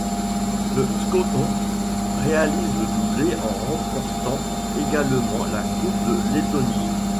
Le Skonto réalise le doublé en remportant également la Coupe de Lettonie.